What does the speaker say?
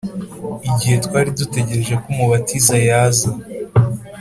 igihe twari dutegereje ko umutabazi yaza;